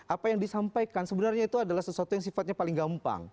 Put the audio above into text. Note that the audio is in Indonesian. apa yang disampaikan sebenarnya itu adalah sesuatu yang sifatnya paling gampang